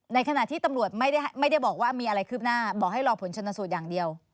ในขณะที่ตำรวจไม่ได้บอกว่ามีอะไรคืบหน้าบอกให้รอผลชนสูตรอย่างเดียว